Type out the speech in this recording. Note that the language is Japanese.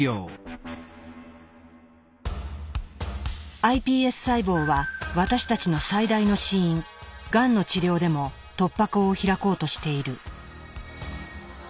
ｉＰＳ細胞は私たちの最大の死因がんの治療でも突破口を開こうとしている。